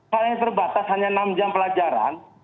hal yang terbatas hanya enam jam pelajaran